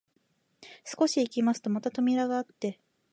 少し行きますとまた扉があって、